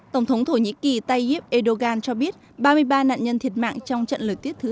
tổng thống thổ nhĩ kỳ tayyip erdogan cho biết ba mươi ba nạn nhân thiệt mạng trong trận lở tuyết thứ ba